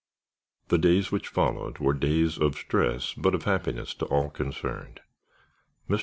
The days which followed were days of stress but of happiness to all concerned. Mr.